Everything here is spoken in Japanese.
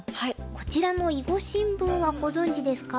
こちらの囲碁新聞はご存じですか？